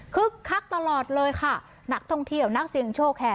คักตลอดเลยค่ะนักท่องเที่ยวนักเสียงโชคแห่